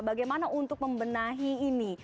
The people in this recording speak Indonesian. bagaimana untuk membenahi ini